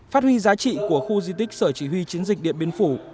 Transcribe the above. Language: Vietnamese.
phát huy giá trị của khu di tích sở chỉ huy chiến dịch điện biên phủ